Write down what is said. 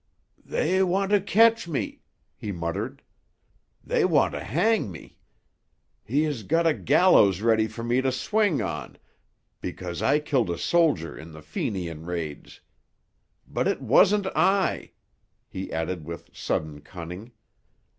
"They want to catch me," he muttered. "They want to hang me. He has got a gallows ready for me to swing on, because I killed a soldier in the Fenian raids. But it wasn't I," he added with sudden cunning.